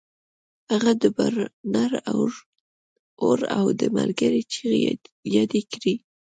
هغه د برنر اور او د ملګري چیغې یادې کړې